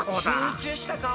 集中した顔。